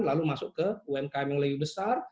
lalu masuk ke umkm yang lebih besar